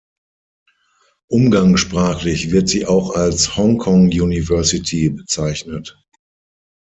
Umgangssprachlich wird sie auch als "Hong Kong University" bezeichnet.